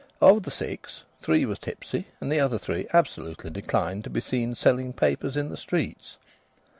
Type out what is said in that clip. Of the six, three were tipsy, and the other three absolutely declined to be seen selling papers in the streets.